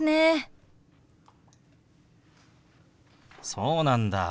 そうなんだ。